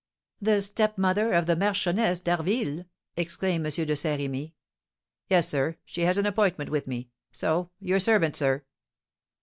"The stepmother of the Marchioness d'Harville?" exclaimed M. de Saint Remy. "Yes, sir; she has an appointment with me, so, your servant, sir."